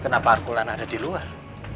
kenapa harkulan ada di luar